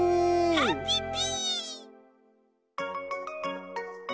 ハッピッピ！